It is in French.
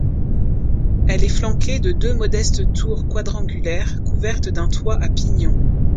Elle est flanquée de deux modestes tours quadrangulaires couvertes d’un toit à pignon.